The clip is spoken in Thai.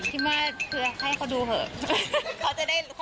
เพราะจะได้รู้ความรู้สึกเรา